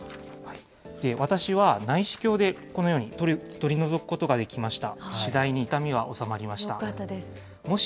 私は内視鏡で、このように取り除くことができました。